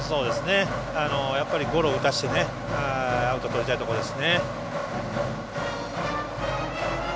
やっぱりゴロを打たせてアウトとりたいところです。